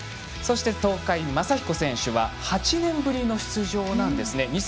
そして、東海将彦選手は８年ぶりの出場なんですね。